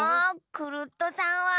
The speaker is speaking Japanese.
クルットさんは！